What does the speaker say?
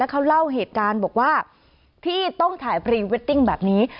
เขาเล่าเหตุการณ์บอกว่าที่ต้องถ่ายพรีเวดดิ้งแบบนี้